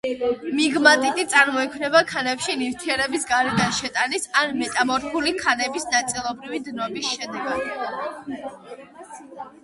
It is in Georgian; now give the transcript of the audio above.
მიგმატიტი წარმოიქმნება ქანებში ნივთიერების გარედან შეტანის ან მეტამორფული ქანების ნაწილობრივი დნობის შედეგად.